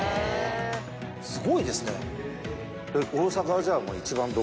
すごいですね。